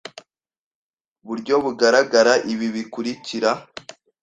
buryo bugaragara ibi bikurikira